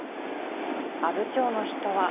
阿武町の人は。